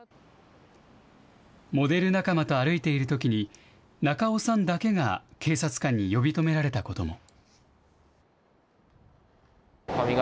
モデル仲間と歩いているときに、中尾さんだけが警察官に呼び止められたことも。